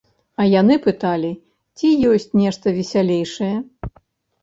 А яны пыталі, ці ёсць нешта весялейшае.